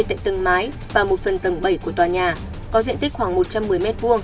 tại tầng mái và một phần tầng bảy của tòa nhà có diện tích khoảng một trăm một mươi m hai